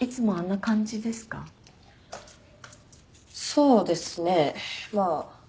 そうですねまあ。